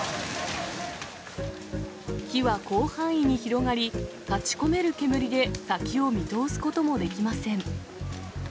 火は広範囲に広がり、立ちこめる煙で先を見通すこともできません。